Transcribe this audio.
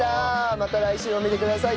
また来週も見てください。